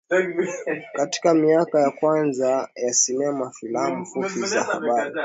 Katika miaka ya kwanza ya sinema filamu fupi za habari